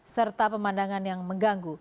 serta pemandangan yang mengganggu